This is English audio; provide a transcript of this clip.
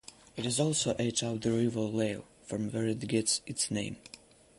It is also atop the River Lael from where it gets its name.